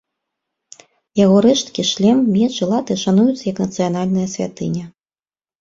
Яго рэшткі, шлем, меч і латы шануюцца як нацыянальная святыня.